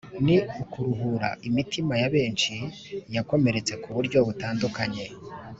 ni ukuruhura imitima ya benshi, yakomeretse kuburyo butandukanye